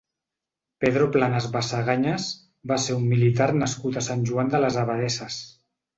Pedro Planas Basagañas va ser un militar nascut a Sant Joan de les Abadesses.